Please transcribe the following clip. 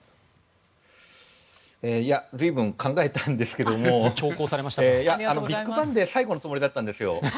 随分考えたんですけれどもビッグバンで最後のつもりだったんですよ。